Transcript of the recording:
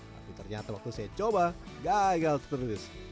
tapi ternyata waktu saya coba gagal terus